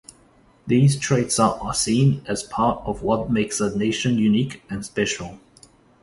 These traits are seen as part of what makes a nation unique and special.